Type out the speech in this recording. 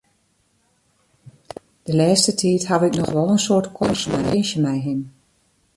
De lêste tiid haw ik noch wol in soad korrespondinsje mei him.